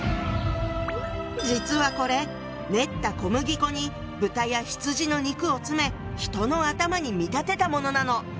実はこれ練った小麦粉に豚や羊の肉を詰め人の頭に見立てたものなの！